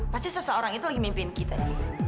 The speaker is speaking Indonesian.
pasti seseorang itu lagi mimpin kita nih